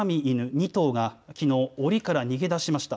２頭がきのう、おりから逃げ出しました。